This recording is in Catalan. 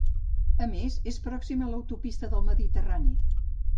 A més, és pròxim a l'autopista del Mediterrani.